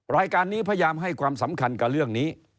รายการนี้พยายามให้ความสำคัญกับเรื่องนี้